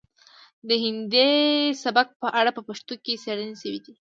د هندي سبک په اړه په پښتو کې څیړنې شوي دي